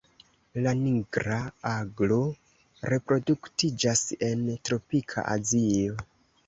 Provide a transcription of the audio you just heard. La Nigra aglo reproduktiĝas en tropika Azio.